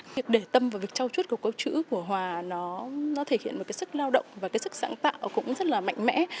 việc để tâm vào việc trao chuốt của câu chữ của hòa nó thể hiện một cái sức lao động và cái sức sáng tạo cũng rất là mạnh mẽ